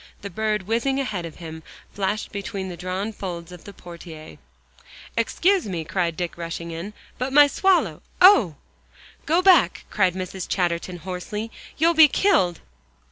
The bird whizzing ahead of him, flashed between the drawn folds of the portiere. "Excuse me," cried Dick, rushing in, "but my swallow oh!" "Go back!" cried Mrs. Chatterton hoarsely, "you'll be killed."